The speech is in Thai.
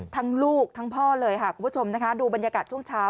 ทั้งลูกทั้งพ่อเลยคุณผู้ชมดูบรรยากาศช่วงเช้า